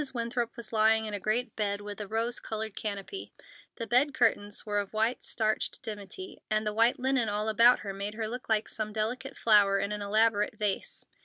Winthrop was lying in a great bed with a rose colored canopy. The bed curtains were of white starched dimity, and the white linen all about her made her look like some delicate flower in an elaborate vase.